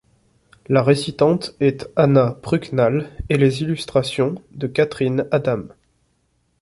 La récitante est Anna Prucnal et les illustrations de Catherine Adam.